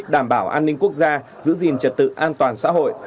đảm bảo an ninh quốc gia giữ gìn trật tự an toàn xã hội